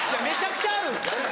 めちゃくちゃある。